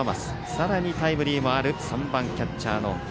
さらにタイムリーもある３番キャッチャーの堀。